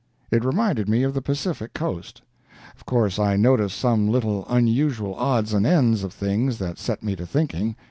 It reminded me of the Pacific Coast. Of course I noticed some little unusual odds and ends of things that set me to thinking.